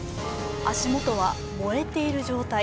足元は燃えている状態。